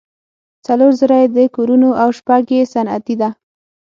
څلور زره یې د کورونو او شپږ یې صنعتي ده.